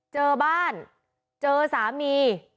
เจอบ้านเจอสามี